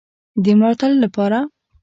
د ملاتړ لپاره